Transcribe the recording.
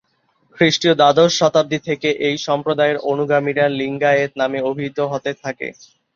খ্রিস্টীয় দ্বাদশ শতাব্দী থেকে এই সম্প্রদায়ের অনুগামীরা ‘লিঙ্গায়েত’ নামে অভিহিত হতে থাকে।